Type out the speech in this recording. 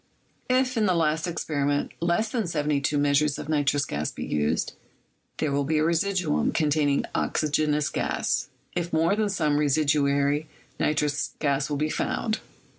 If, in the last experiment, less than 'j'Z measures of nitrous gas be used, there will be a residuum containing oxygenous gas; if more, then some residuary nitrous gas will be found.